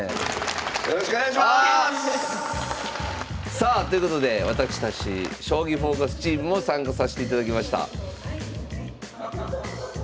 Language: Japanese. さあということで私たち「将棋フォーカス」チームも参加さしていただきました。